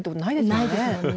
ないですもんね。